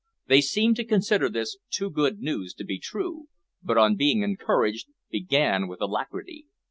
They seemed to consider this too good news to be true, but on being encouraged, began with alacrity.